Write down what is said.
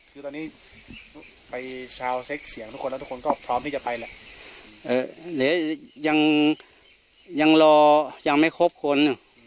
คือตอนนี้ไปทุกคนแล้วทุกคนก็พร้อมที่จะไปแหละเอ่อหรือยังยังรอยังไม่ครบคน